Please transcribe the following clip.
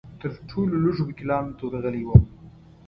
تر ټولو لږو وکیلانو ته ورغلی وم.